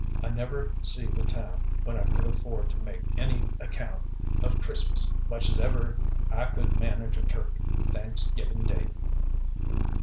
I never see the time when I could afford to make any account of Christmas, much as ever I could manage a turkey Thanksgiving day."